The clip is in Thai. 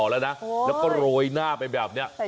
แล้วก็โรยหน้าไปแบบนี้